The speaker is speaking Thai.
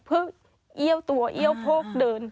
เพื่อเอี้ยวตัวเอี้ยวโพกเดิน